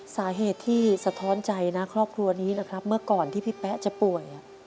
สาเหตุที่สะท้อนใจนะครอบครัวนี้นะครับเมื่อก่อนที่พี่แป๊ะจะป่วย